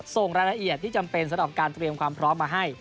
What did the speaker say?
ส่งรายละเอียดที่จำเป็นสำหรับการเตรียมความพร้อมมาให้